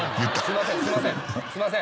すいません。